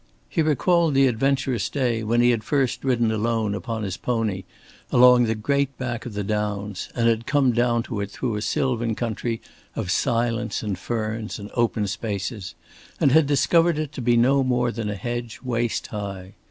He recalled the adventurous day when he had first ridden alone upon his pony along the great back of the downs and had come down to it through a sylvan country of silence and ferns and open spaces; and had discovered it to be no more than a hedge waist high.